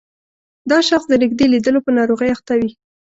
دا شخص د نږدې لیدلو په ناروغۍ اخته وي.